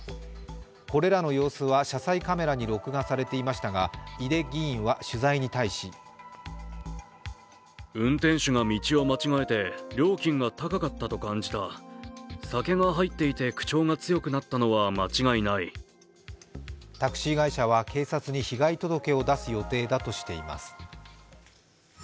これらの様子は車載カメラに録画されていましたが、井手議員は取材に対しタクシー会社は警察に被害届を出す予定だとしています。